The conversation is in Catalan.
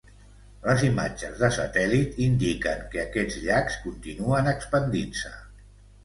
Les imatges de satèl·lit indiquen que aquests llacs continuant expandint-se.